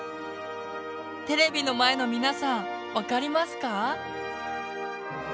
テレビの前の皆さん分かりますか？